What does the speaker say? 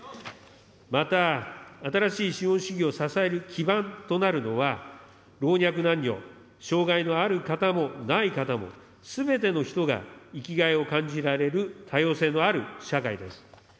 また、新しい資本主義を支える基盤となるのは、老若男女、障害のある方もない方も、すべての人が生きがいを感じられる、多様性のある社会です。